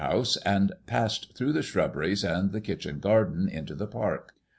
house, and passed through the shrubberies and the kitchen gar den into the park.